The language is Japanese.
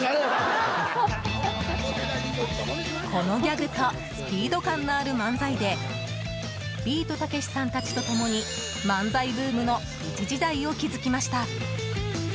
このギャグとスピード感のある漫才でビートたけしさんたちと共に漫才ブームの一時代を築きました。